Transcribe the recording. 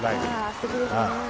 あすてきですね。